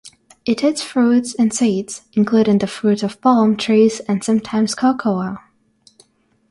It eats fruit and seeds, including the fruit of palm trees and sometimes cocoa.